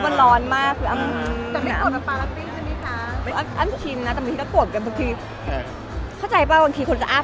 ไว้สวัสดีนะทุกคนยังไม่มีอะไรักก่อน